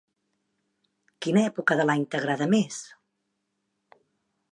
Quina època de l'any t'agrada més?